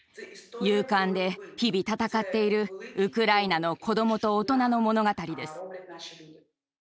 勇敢で日々闘っているウクライナの子どもと大人の物語です。